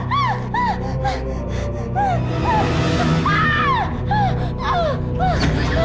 sampai jumpa di video selanjutnya